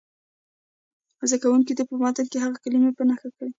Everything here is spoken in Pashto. زده کوونکي دې په متن کې هغه کلمې په نښه کړي.